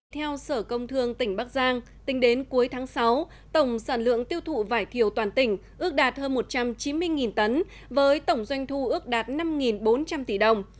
theo sở công thương tỉnh bắc giang tính đến cuối tháng sáu tổng sản lượng tiêu thụ vải thiều toàn tỉnh ước đạt hơn một trăm chín mươi tấn với tổng doanh thu ước đạt năm bốn trăm linh tỷ đồng